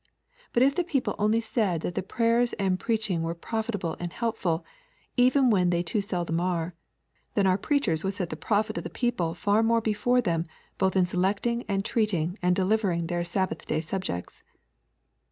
But if the people only said that the prayers and the preaching were profitable and helpful, even when they too seldom are, then our preachers would set the profit of the people far more before them both in selecting and treating and delivering their Sabbath day subjects.